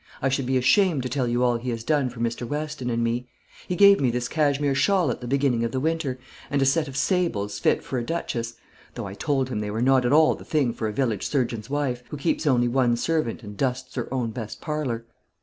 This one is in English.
I should be ashamed to tell you all he has done for Mr. Weston and me. He gave me this cashmere shawl at the beginning of the winter, and a set of sables fit for a duchess; though I told him they were not at all the thing for a village surgeon's wife, who keeps only one servant, and dusts her own best parlour."